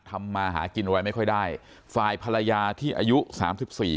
ทำมาหากินอะไรไม่ค่อยได้ฝ่ายภรรยาที่อายุสามสิบสี่